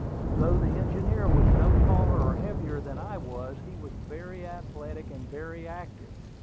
Though the engineer was no taller or heavier than I was, he was very athletic and very active.